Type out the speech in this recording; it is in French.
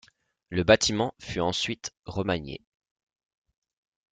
Le bâtiment fut ensuite remanié.